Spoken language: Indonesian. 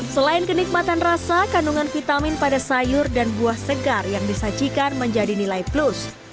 selain kenikmatan rasa kandungan vitamin pada sayur dan buah segar yang disajikan menjadi nilai plus